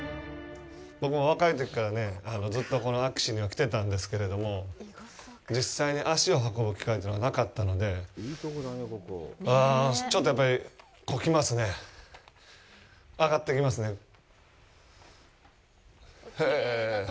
僕も若いときからね、ずっとこの安芸市には来ていたんですけれども、実際に足を運ぶ機会というのがなかったので、ちょっとやっぱり、こう来ますね、上がってきますね。